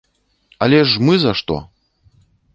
Але ж мы за што?